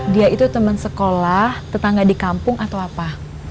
dia itu teman sekolah tetangga di kampung atau apa